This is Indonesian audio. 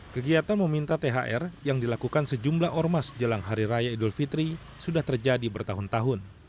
kegiatan meminta thr yang dilakukan sejumlah ormas jelang hari raya idul fitri sudah terjadi bertahun tahun